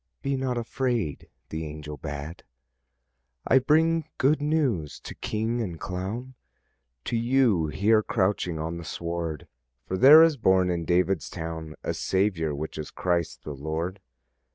"Be not afraid," the angel bade. "I bring good news to king and clown, To you here crouching on the sward; For there is born in David's town A Saviour, which is Christ the Lord.